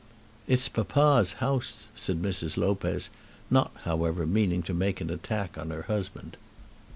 "It's papa's house," said Mrs. Lopez, not, however, meaning to make an attack on her husband.